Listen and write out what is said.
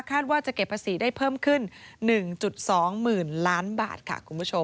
คาดว่าจะเก็บภาษีได้เพิ่มขึ้น๑๒หมื่นล้านบาทค่ะ